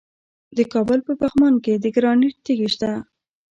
د کابل په پغمان کې د ګرانیټ تیږې شته.